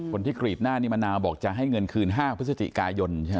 กรีดหน้านี่มะนาวบอกจะให้เงินคืน๕พฤศจิกายนใช่ไหม